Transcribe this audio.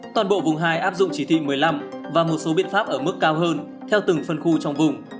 toàn bộ vùng hai áp dụng chỉ thị một mươi năm và một số biện pháp ở mức cao hơn theo từng phân khu trong vùng